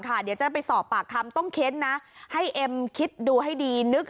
เดี๋ยวจะไปสอบปากคำต้องเค้นนะให้เอ็มคิดดูให้ดีนึก